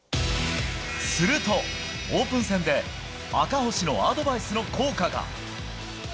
すると、オープン戦で赤星のアドバイスの効果が。